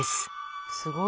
すごい。